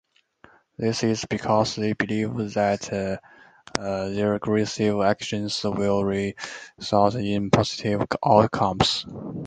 This is because they believe that their aggressive actions will result in positive outcomes.